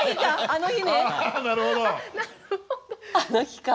あの日か。